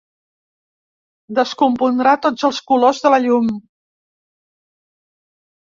Descompondrà tots els colors de la llum.